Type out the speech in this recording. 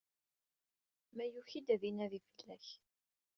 Ma yuki-d, ad inadi fell-ak.